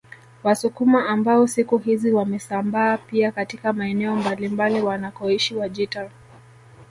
Wasukuma ambao siku hizi wamesambaa pia katika maeneo mbalimbali wanakoishi Wajita